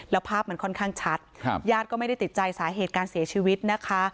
แล้วภาพมันค่อนข้างชัดญาติก็ไม่ได้ติดใจสาเหตุการเสียชีวิตนะคะ